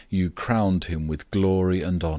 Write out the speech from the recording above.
You crowned him with glory and honor.